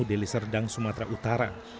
dari serdang sumatera utara